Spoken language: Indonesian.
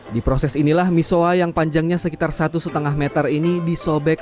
di proses inilah misoa yang panjangnya sekitar satu lima meter ini disobek